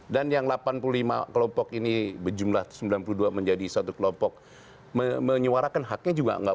dan yang delapan puluh lima kelompok ini berjumlah sembilan puluh dua menjadi satu kelompok menyuarakan haknya juga nggak